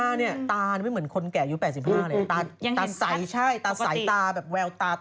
อ่ะเนี่ยตานี้ไม่เหมือนคนแก่อายุ๘๕แล้ว